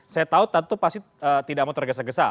saya tahu tentu pasti tidak mau tergesa gesa